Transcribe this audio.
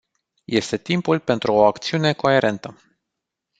Este timpul pentru o acțiune coerentă!